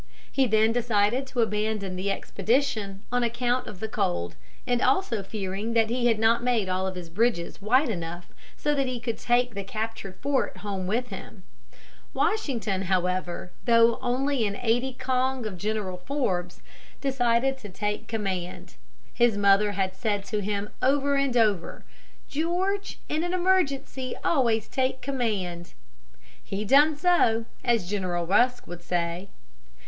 He then decided to abandon the expedition, on account of the cold, and also fearing that he had not made all of his bridges wide enough so that he could take the captured fort home with him. Washington, however, though only an aidy kong of General Forbes, decided to take command. His mother had said to him over and over, "George, in an emergency always take command." He done so, as General Rusk would say.